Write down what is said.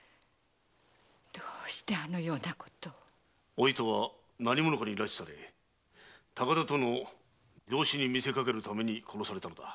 お糸は何者かに拉致され高田との情死に見せかけるために殺された。